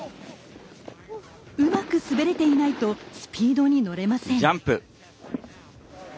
うまく滑れていないとスピードに乗れません。